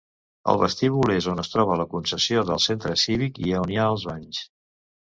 El vestíbul és on es troba la concessió del centre cívic i on hi ha els banys.